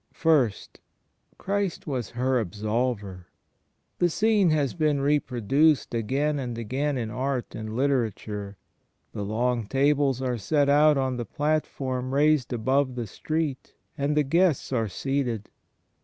(i) First, Christ was her Absolver. The scene has been reproduced again and again in art and literature. The long tables are set out on the platform raised above the street, and the guests are seated.